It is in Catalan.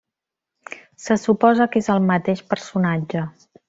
Se suposa que és el mateix personatge.